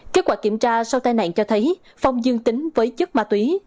kết quả kiểm tra sau tai nạn cho thấy phong dương tính với chất ma túy